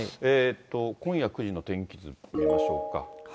今夜９時の天気図見ましょうか。